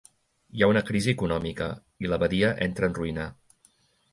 Hi ha una crisi econòmica i la badia entra en ruïna.